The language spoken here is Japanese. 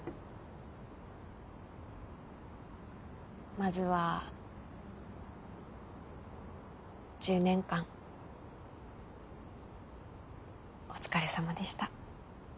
まずは１０年間お疲れさまでした。